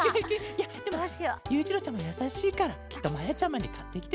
いやでもゆういちろうちゃまやさしいからきっとまやちゃまにかってきてたケロよ。